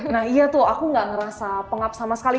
nah iya tuh aku gak ngerasa pengap sama sekali